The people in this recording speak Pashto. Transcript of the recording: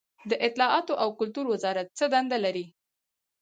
د اطلاعاتو او کلتور وزارت څه دنده لري؟